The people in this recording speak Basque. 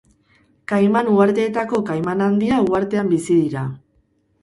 Kaiman uharteetako Kaiman handia uhartean bizi dira.